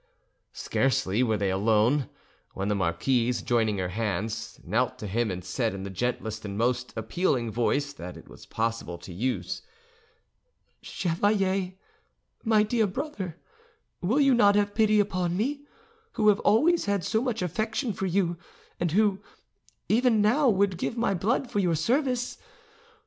Scarcely were they alone, when the marquise, joining her hands, knelt to him and said in the gentlest and most appealing voice that it was possible to use, "Chevalier, my dear brother, will you not have pity upon me, who have always had so much affection for you, and who, even now, would give my blood for your service?